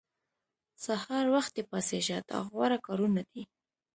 سهار وختي پاڅېږه دا غوره کارونه دي.